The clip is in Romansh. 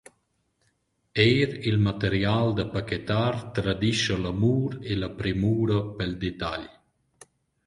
Eir il material da pakettar tradischa l’amur e la premura pel detagl.